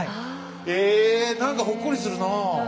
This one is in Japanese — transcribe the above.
へえ何かほっこりするなあ。